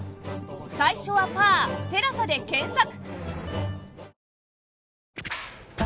「最初はパーテラサ」で検索！